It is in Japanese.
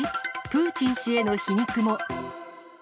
プーチン氏への皮肉も。